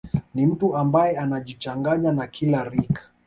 Ni mtu ambaye anajichanganya na kila rika